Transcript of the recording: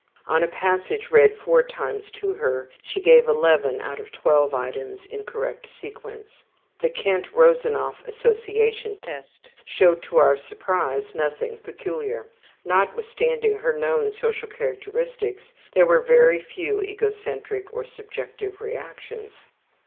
On a passage read four times to her she gave 11 out of 12 items in correct sequence. The Kent Rosanoff association test showed, to our surprise, nothing peculiar. Notwithstanding her known social characteristics, there were very few egocentric or subjective reactions.